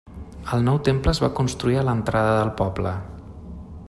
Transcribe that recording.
El nou temple es va construir a l'entrada del poble.